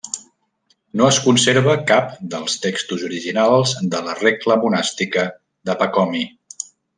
No es conserva cap dels textos originals de la regla monàstica de Pacomi.